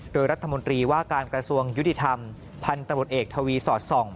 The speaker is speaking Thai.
โดยรัฐมนตรีว่าการกระทรวงยุติธรรมพันธบทเอกทวีสอดส่อง